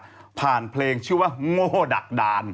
ที่ปิดฉากผ่านเพลงชื่อว่าโง่ดักดาน